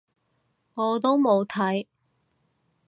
我都冇睇